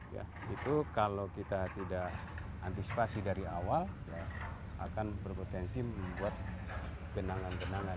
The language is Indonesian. ya itu kalau kita tidak antisipasi dari awal akan berpotensi membuat genangan benangan